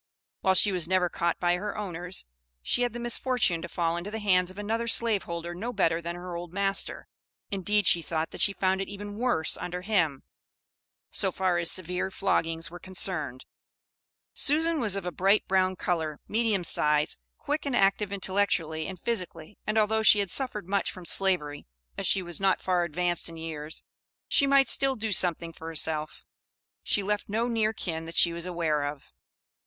While she was never caught by her owners, she had the misfortune to fall into the hands of another slaveholder no better than her old master, indeed she thought that she found it even worse under him, so far as severe floggings were concerned. Susan was of a bright brown color, medium size, quick and active intellectually and physically, and although she had suffered much from Slavery, as she was not far advanced in years, she might still do something for herself. She left no near kin that she was aware of.